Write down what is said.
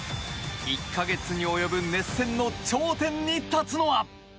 １か月に及ぶ熱戦の頂点に立つのは？